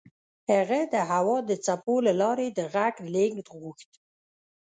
هغه د هوا د څپو له لارې د غږ لېږد غوښت